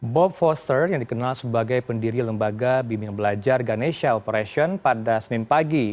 bob foster yang dikenal sebagai pendiri lembaga bimbingan belajar ganesha operation pada senin pagi